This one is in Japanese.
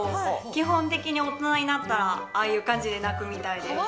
基本的に大人になったらああいう感じに鳴くみたいです